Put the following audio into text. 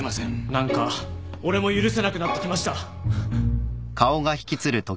何か俺も許せなくなってきました！